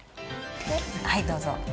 はいどうぞ。